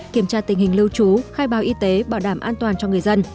kiểm tra tình hình lưu trú khai báo y tế bảo đảm an toàn cho người dân